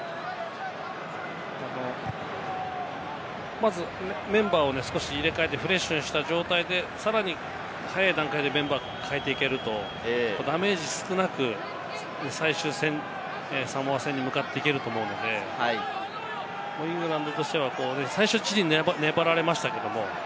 まずメンバーを入れ替えてフレッシュな状態にした状態で、さらに早い段階でメンバーを代えていけると、ダメージ少なく最終戦、サモア戦に向かっていけると思うので、イングランドとしては最初、チリに粘られましたけど。